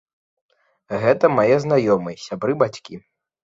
Гэта мае знаёмыя, сябры, бацькі.